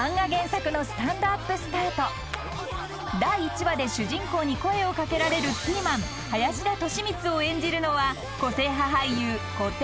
［第１話で主人公に声を掛けられるキーマン林田利光を演じるのは個性派俳優小手伸也］